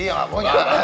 iya gak punya